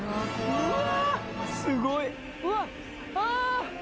うわ。